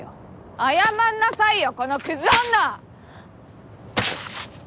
謝んなさいよこのクズ女！